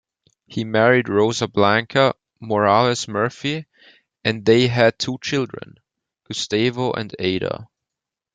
He married Rosa Blanca Morales Murphy and they had two children: Gustavo and Ada.